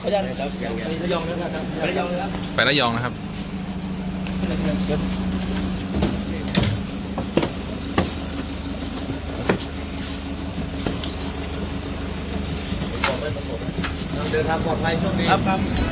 เดี๋ยวทำหมดไว้ช่วงนี้ครับครับครับครับ